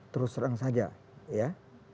terus terang saja ya